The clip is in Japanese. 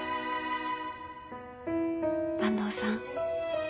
坂東さん